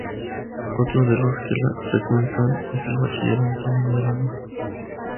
Otro de los que la frecuentan es el bachiller Antonio Medrano.